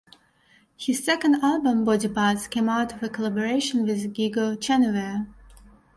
His second album, "Body Parts", came out of a collaboration with Guigou Chenevier.